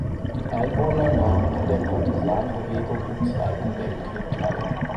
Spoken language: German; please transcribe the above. Die Einwohner nahmen an der Partisanenbewegung im Zweiten Weltkrieg teil.